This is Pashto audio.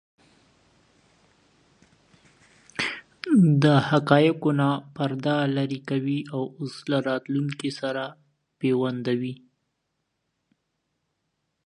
د حقایقو نه پرده لرې کوي او اوس له راتلونکې سره پیوندوي.